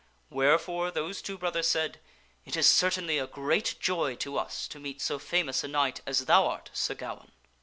Wherefore those two brothers said, " It is certainly a great joy to us to meet so famous a knight as thou art, Sir Gawaine."